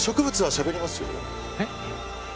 えっ？